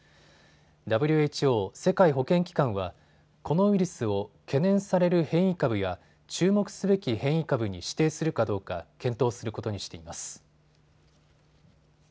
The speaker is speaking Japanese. ＷＨＯ・世界保健機関はこのウイルスを懸念される変異株や注目すべき変異株に指定するかどうか検討することにしています。